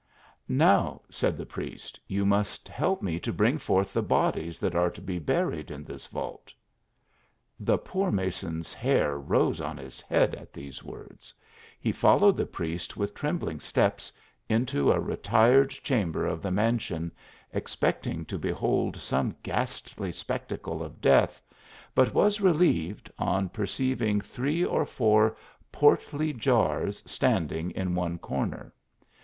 " Now," said the priest, " you must help me to bring forth the bodies that are to be buried in this vault." The poor mason s hair rose on his head at these words ; he iollowed the priest with trembling steps, into a retired chamber of the mansion, expecting to behold some ghastly spectacle of death, but was relieved, on perceiving three or four portly jars standing in one corner.